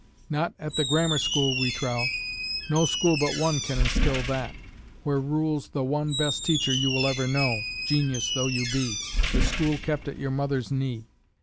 Not at the grammar school we trow. No school but one can instil that, where rules the one best teacher you will ever know, genius though you be the school kept at your mother's knee.